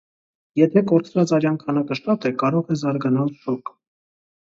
Եթե կորցրած արյան քանակը շատ է, կարող է զարգանալ շոկ։